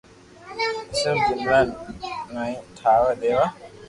صرف جملا ٺائين ديوا